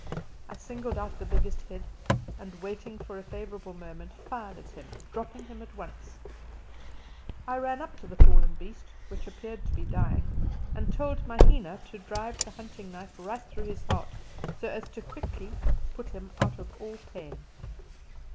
I singled out the biggest head and waiting for a favourable moment, fired at him, dropping him at once. I ran up to the fallen beast, which appeared to be dying, and told Mahina to drive the hunting knife right through his heart so as to put him quickly out of all pain.